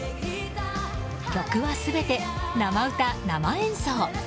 曲は全て生歌、生演奏。